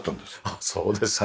あっそうですか。